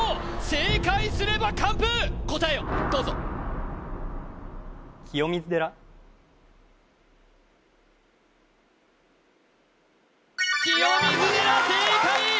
正解すれば完封答えをどうぞ清水寺正解！